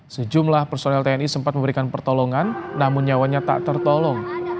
sejumlah personel tni sempat memberikan pertolongan namun nyawanya tak tertolong